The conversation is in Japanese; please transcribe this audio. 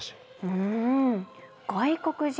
うん。